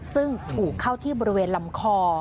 ซึ่งถูกเข้าที่บริเวณลำคอ